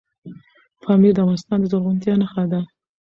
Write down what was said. پامیر د افغانستان د زرغونتیا نښه ده.